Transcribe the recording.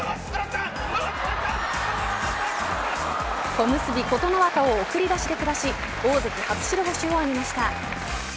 小結、琴ノ若を送り出しで下し大関、初白星を挙げました。